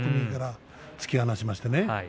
突き放しましたね。